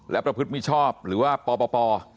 และประพฤติมิชชอบหรือว่าปป